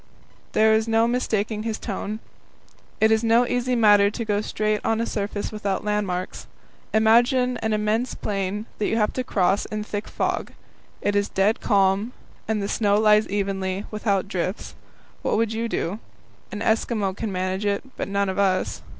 there is no mistaking his tone. It is no easy matter to go straight on a surface without landmarks. Imagine an immense plain that you have to cross in thick fog; it is dead calm, and the snow lies evenly, without drifts. What would you do? An Eskimo can manage it, but none of us.